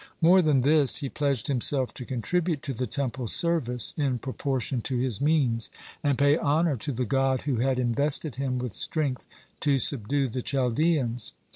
More than this, he pledged himself to contribute to the Temple service in proportion to his means, and pay honor to the God who had invested him with strength to subdue the Chaldeans.